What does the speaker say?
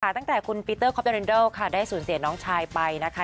ตั้งแต่คุณปีเตอร์คอปเดรินเดิลค่ะได้สูญเสียน้องชายไปนะคะ